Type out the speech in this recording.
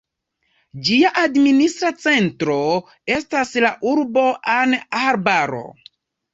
Ĝia administra centro estas la urbo An-Arbaro.